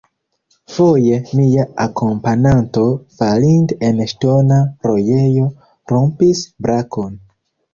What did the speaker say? Foje mia akompananto, falinte en ŝtona rojejo, rompis brakon.